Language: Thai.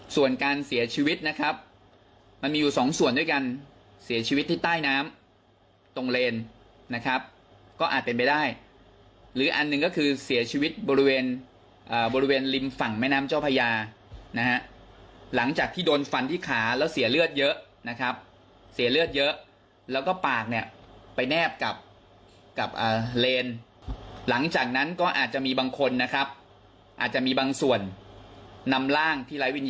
ส่วนการเสียชีวิตนะครับมันมีอยู่สองส่วนด้วยกันเสียชีวิตที่ใต้น้ำตรงเลนนะครับก็อาจเป็นไปได้หรืออันหนึ่งก็คือเสียชีวิตบริเวณบริเวณริมฝั่งแม่น้ำเจ้าพญานะฮะหลังจากที่โดนฟันที่ขาแล้วเสียเลือดเยอะนะครับเสียเลือดเยอะแล้วก็ปากเนี่ยไปแนบกับกับเลนหลังจากนั้นก็อาจจะมีบางคนนะครับอาจจะมีบางส่วนนำร่างที่ไร้วิ